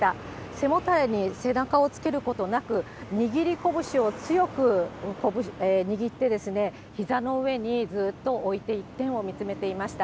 背もたれに背中をつけることなく、握り拳を強く握ってですね、ひざの上にずっと置いて一点を見つめていました。